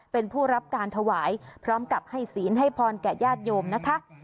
เป็นผู้รับการถวายพร้อมกับให้ศีลให้พรแก่ญาติโยมนะคะ